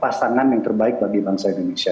pasangan yang terbaik bagi bangsa indonesia